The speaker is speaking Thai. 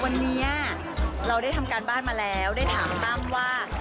วันนี้เราได้ทำการบ้านมาแล้วได้ถามตั้มว่า